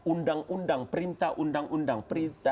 undang undang perintah undang undang perintah